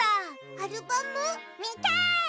アルバム？みたい！